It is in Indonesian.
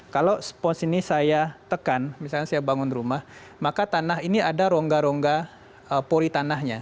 kalau spons ini saya tekan misalnya saya bangun rumah maka tanah ini ada rongga rongga pori tanahnya